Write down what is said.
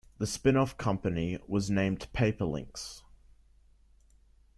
The spin-off company was named Paperlinx.